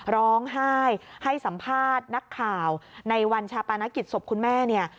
ร้องไห้ให้สัมภาษณ์นักข่าวในวันชาปนกิจศพคุณแม่เนี่ย